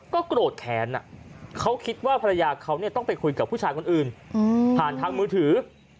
โกรธแค้นเขาคิดว่าภรรยาเขาต้องไปคุยกับผู้ชายคนอื่นผ่านทางมือถือ